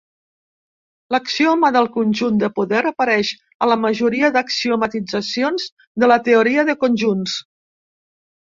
L'axioma del conjunt de poder apareix a la majoria d'axiomatitzacions de la teoria de conjunts.